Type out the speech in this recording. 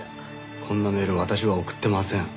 こんなメール私は送ってません。